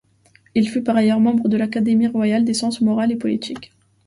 Il fut par ailleurs membre de l'Académie royale des sciences morales et politiques.